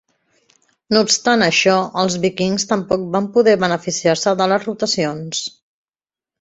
No obstant això, els Vikings tampoc van poder beneficiar-se de les rotacions.